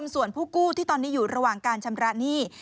ส่วนผู้กู้ที่ตอนนี้อยู่ระหว่างการชำระหนี้